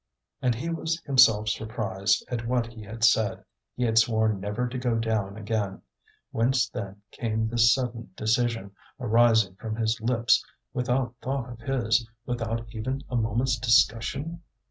And he was himself surprised at what he had said. He had sworn never to go down again; whence then came this sudden decision, arising from his lips without thought of his, without even a moment's discussion?